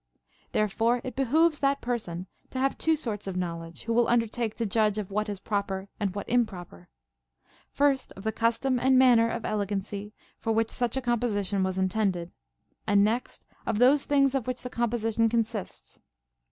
Therefore it behooves that person to have two sorts of knowledge, who will undertake to judge of what is proper and what improper ; first, of the custom and manner of elegancy for Λvhich such a composition Avas intended, and next of those things of which the composition consists.